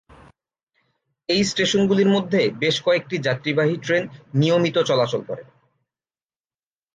এই স্টেশনগুলির মধ্যে বেশ কয়েকটি যাত্রীবাহী ট্রেন নিয়মিত চলাচল করে।